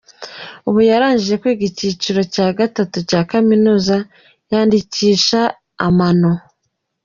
Ubu yarangije kwiga icyiciro cya gatatu cya Kaminuza yandikisha amano.